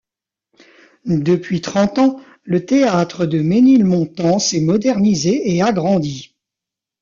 Depuis trente ans, le Théâtre de Ménilmontant s’est modernisé et agrandi.